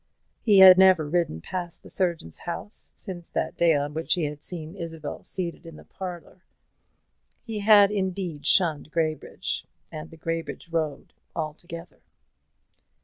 He had never ridden past the surgeon's house since that day on which he had seen Isabel seated in the parlour. He had indeed shunned Graybridge and the Graybridge road altogether.